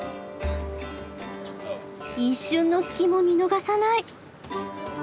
一瞬の隙も見逃さない。